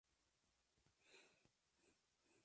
Manuel Ávila Camacho, Presidente de la República.